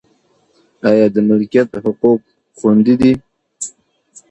آیا د ملکیت حقوق خوندي دي؟